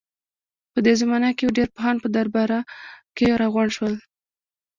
په دې زمانه کې ډېر پوهان په درباره کې راغونډ شول.